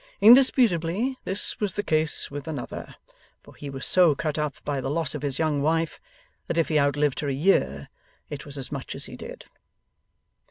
Indisputably this was the case with Another, for he was so cut up by the loss of his young wife that if he outlived her a year it was as much as he did.